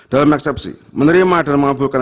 dalam eksepsi menerima dan mengabulkan